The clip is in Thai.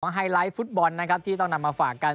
ไฮไลท์ฟุตบอลนะครับที่ต้องนำมาฝากกัน